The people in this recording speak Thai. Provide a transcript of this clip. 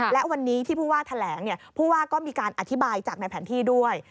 และวันนี้ที่ผู้ว่าแถลงผู้ว่าก็มีการอธิบายจากในแผนที่ด้วย